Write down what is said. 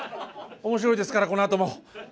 面白いですからこのあとも。